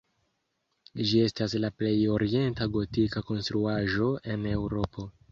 Ĝi estas la plej orienta gotika konstruaĵo en Eŭropo.